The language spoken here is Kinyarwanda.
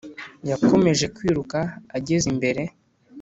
yakomeje kwiruka ageze imbere